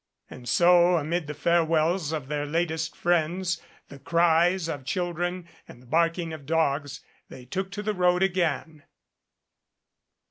And so amid the farewells of their latest friends, the cries of children and the barking of dogs they took to the road again.